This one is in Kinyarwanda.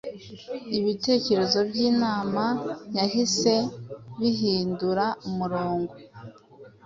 Ibitekerezo by’inama byahise bihindura umurongo,